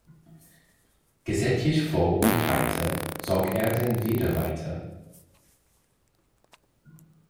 Gesättigt froh und heiter, zog er dann wieder weiter“.